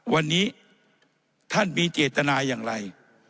วันนี้ท่านมีเจตนาอย่างไร